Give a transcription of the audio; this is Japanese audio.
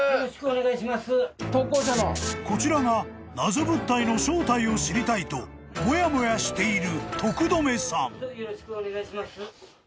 ［こちらが謎物体の正体を知りたいとモヤモヤしている］